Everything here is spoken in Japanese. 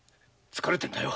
疲れてるんだよ